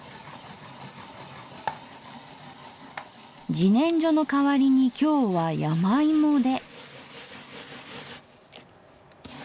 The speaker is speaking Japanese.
じねんじょの代わりに今日は山芋で。